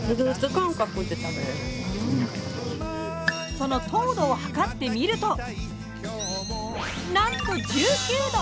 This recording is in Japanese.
その糖度を測ってみるとなんと１９度。